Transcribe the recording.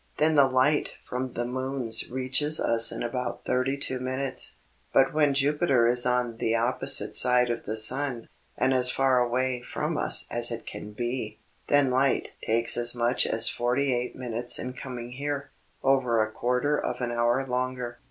Then the light from the moons reaches us in about thirty two minutes. But when Jupiter is on the opposite side of the sun, and as far away from us as it can be, then light takes as much as forty eight minutes in coming here over a quarter of an hour longer.